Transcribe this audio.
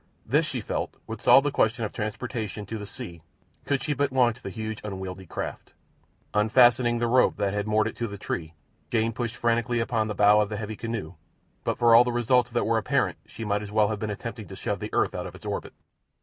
This, she felt, would solve the question of transportation to the sea could she but launch the huge, unwieldy craft. Unfastening the rope that had moored it to the tree, Jane pushed frantically upon the bow of the heavy canoe, but for all the results that were apparent she might as well have been attempting to shove the earth out of its orbit.